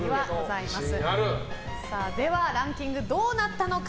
ランキング、どうなったのか。